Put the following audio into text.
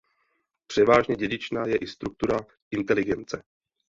Převážně dědičná je i struktura inteligence.